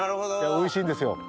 おいしいんですよ。